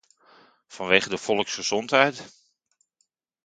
Vanwege de volksgezondheid?